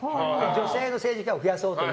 女性の政治家を増やそうと。